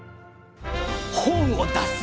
本を出す！